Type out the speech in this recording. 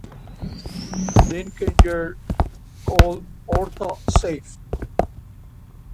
Denkinger called Orta safe.